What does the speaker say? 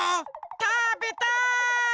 たべたい！